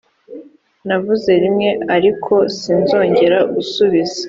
navuze rimwe ariko sinzongera gusubiza